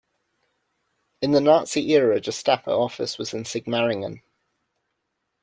In the Nazi era a Gestapo office was in Sigmaringen.